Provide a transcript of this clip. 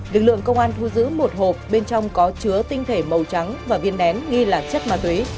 lực lượng công an thu giữ một hộp bên trong có chứa tinh thể màu trắng và viên nén nghi là chất ma túy